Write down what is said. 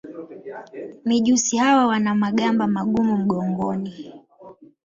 Mijusi hawa wana magamba magumu mgongoni.